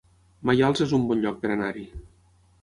Maials es un bon lloc per anar-hi